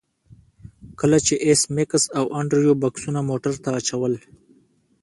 کله چې ایس میکس او انډریو بکسونه موټر ته اچول